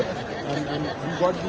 dan untuk chakrabinisan sendiri